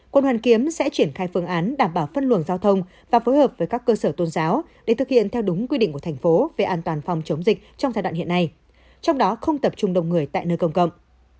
quận hoàn kiếm sẽ triển khai phương án đảm bảo phân luồng giao thông và phối hợp với các cơ sở tôn giáo để thực hiện theo đúng quy định của thành phố về an toàn phòng chống dịch trong giai đoạn hiện nay trong đó không tập trung đông người tại nơi công cộng